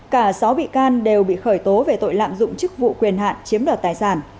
cả sáu bị can đều bị khởi tố về tội lạm dụng chức vụ quyền hạn chiếm đoạt tài sản